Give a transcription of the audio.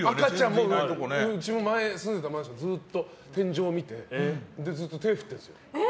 うちも前住んでいたマンションずっと天井見てずっと手を振ってるんですよ。